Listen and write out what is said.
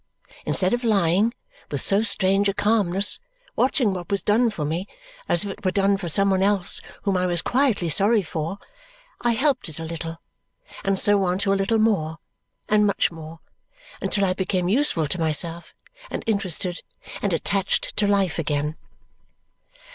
Instead of lying, with so strange a calmness, watching what was done for me, as if it were done for some one else whom I was quietly sorry for, I helped it a little, and so on to a little more and much more, until I became useful to myself, and interested, and attached to life again.